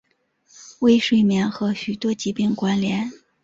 微睡眠和许多疾病关联。